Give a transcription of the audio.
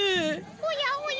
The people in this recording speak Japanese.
おやおや